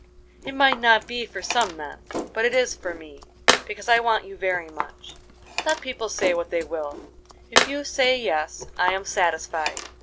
"It might not be for some men, but it is for me, because I want you very much. Let people say what they will, if you say yes I am satisfied.